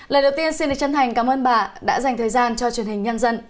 lời đầu tiên xin được chân thành cảm ơn bà đã dành thời gian cho truyền hình nhân dân